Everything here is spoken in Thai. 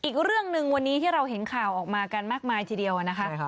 อีกเรื่องหนึ่งวันนี้ที่เราเห็นข่าวออกมากันมากมายทีเดียวนะคะ